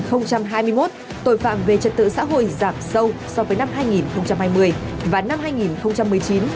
năm hai nghìn hai mươi một tội phạm về trật tự xã hội giảm sâu so với năm hai nghìn hai mươi và năm hai nghìn một mươi chín